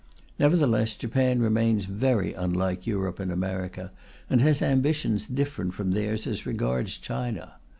Nevertheless, Japan remains very unlike Europe and America, and has ambitions different from theirs as regards China.